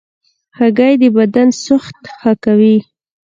هګۍ د بدن سوخت ښه کوي.